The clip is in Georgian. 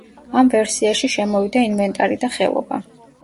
ამ ვერსიაში შემოვიდა ინვენტარი და ხელობა.